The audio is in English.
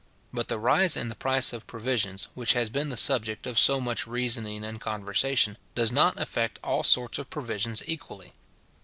But the rise in the price of provisions, which has been the subject of so much reasoning and conversation, does not affect all sorts of provisions equally.